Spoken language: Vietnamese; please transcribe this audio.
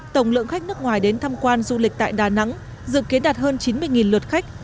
tổng lượng khách nước ngoài đến thăm quan du lịch tại đà nẵng dự kiến đạt hơn chín mươi lượt khách